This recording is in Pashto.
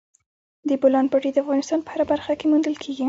د بولان پټي د افغانستان په هره برخه کې موندل کېږي.